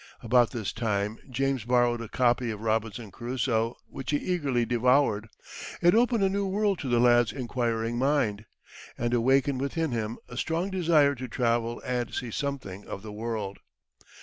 About this time James borrowed a copy of Robinson Crusoe, which he eagerly devoured. It opened a new world to the lad's inquiring mind, and awakened within him a strong desire to travel and see something of the world.